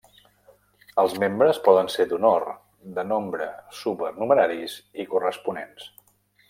Els membres poden ser d'honor, de nombre, supernumeraris i corresponents.